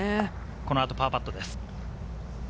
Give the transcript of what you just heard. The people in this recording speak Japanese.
この後、パーパットです。